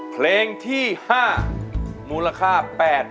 เพลงที่๕มูลค่า๘๐๐๐บาท